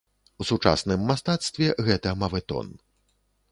У сучасным мастацтве гэта мавэтон.